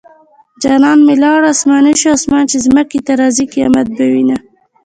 جانان مې لاړو اسماني شو اسمان چې ځمکې ته راځي قيامت به وينه